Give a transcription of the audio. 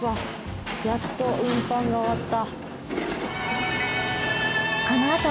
やっと運搬が終わった。